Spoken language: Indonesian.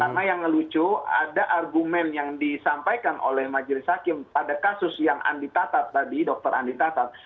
karena yang lucu ada argumen yang disampaikan oleh majelis hakim pada kasus yang andi tatat tadi dokter andi tatat